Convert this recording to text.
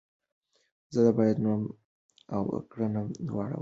زه باید نوم او کړنه دواړه وپیژنم.